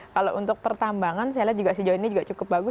kalau untuk pertambangan saya lihat juga sejauh ini juga cukup bagus